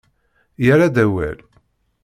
Yerra-d awal.